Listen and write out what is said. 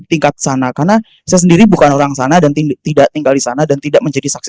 tingkat sana karena saya sendiri bukan orang sana dan tidak tinggal di sana dan tidak menjadi saksi